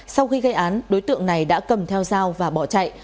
sau khi gây án đối tượng này đã cầm theo dao và bỏ chạy